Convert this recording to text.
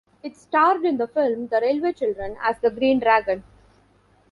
It starred in the film "The Railway Children" as the "Green Dragon".